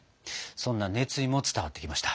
そんな熱意も伝わってきました。